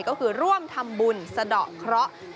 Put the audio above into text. ก็คือร่วมทำบุญสะดอกเคราะห์